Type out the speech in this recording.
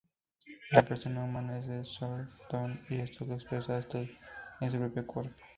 La persona humana es "ser-don" y esto lo expresa hasta en su propio cuerpo.